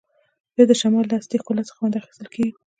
بیا د شمال له اصلي ښکلا څخه خوند اخیستل کیږي